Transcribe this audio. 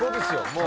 もう。